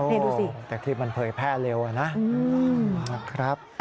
ให้ดูสิโอ้โฮแต่คลิปมันเผยแพร่เร็วนะนะครับ